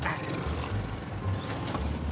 eh pur pur pur